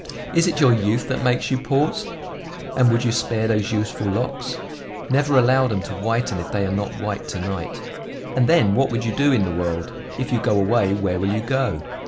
Is it your youth that makes you pause? And would you spare those youthful locks? Never allow them to whiten if they are not white to night. "And then what would you do in the world? If you go away, where will you go?